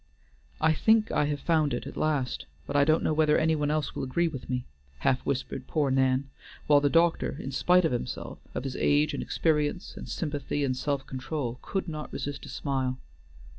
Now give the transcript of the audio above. "I think I have found it at last, but I don't know whether any one else will agree with me," half whispered poor Nan; while the doctor, in spite of himself, of his age, and experience, and sympathy, and self control, could not resist a smile.